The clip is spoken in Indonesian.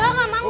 udah gak mau